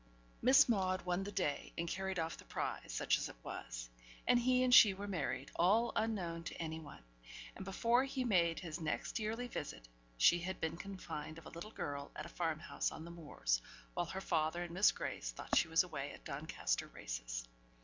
Miss Maude won the day and carried off the prize, such as it was; and he and she were married, all unknown to any one; and before he made his next yearly visit, she had been confined of a little girl at a farm house on the Moors, while her father and Miss Grace thought she was away at Doncaster Races.